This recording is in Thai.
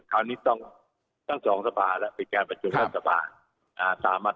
คราวนี้ต้องตั้ง๒สภาแล้วพึ่งการสันตราสบาย